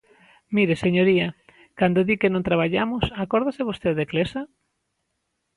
Mire, señoría, cando di que non traballamos, ¿acórdase vostede de Clesa?